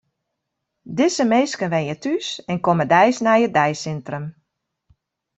Dizze minsken wenje thús en komme deis nei it deisintrum.